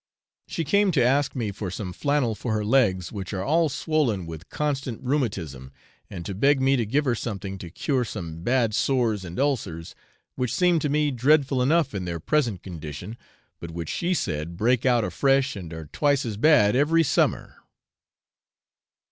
She came to ask me for some flannel for her legs, which are all swollen with constant rheumatism, and to beg me to give her something to cure some bad sores and ulcers, which seemed to me dreadful enough in their present condition, but which she said break out afresh and are twice as bad every summer.